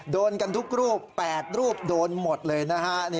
โดนกันทุกรูป๘รูปโดนหมดเลยนะฮะ